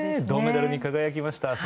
銅メダルに輝きました。